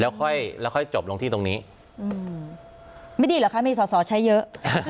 แล้วค่อยแล้วค่อยจบลงที่ตรงนี้ไม่ดีเหรอคะมีสอสอใช้เยอะ